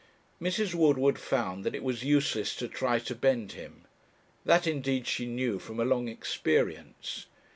Mrs. Woodward found that it was useless to try to bend him. That, indeed, she knew from a long experience.